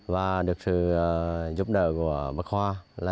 và được sự giúp đỡ của bắc khoa là